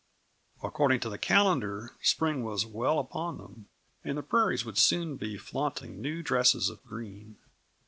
According to the calendar, spring was well upon them, and the prairies would soon be flaunting new dresses of green.